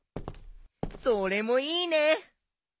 それもいいね！